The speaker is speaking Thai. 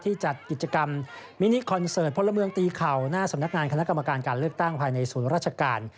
จัดกิจกรรมมินิคอนเสิร์ตพลเมืองตีเข่าหน้าสำนักงานคณะกรรมการการเลือกตั้งภายในศูนย์ราชการ